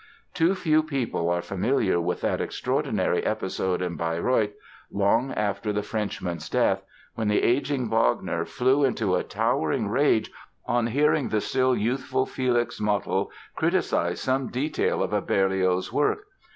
Too few people are familiar with that extraordinary episode at Bayreuth, long after the Frenchman's death when the ageing Wagner flew into a towering rage on hearing the still youthful Felix Mottl criticise some detail of a Berlioz work.